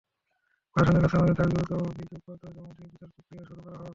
প্রশাসনের কাছে আমাদের দাবি, দ্রুত অভিযোগপত্র জমা দিয়ে বিচার-প্রক্রিয়া শুরু করা হোক।